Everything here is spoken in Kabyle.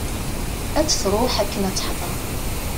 Ad d-truḥ akken ad teḥder.